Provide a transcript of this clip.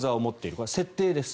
これは設定です。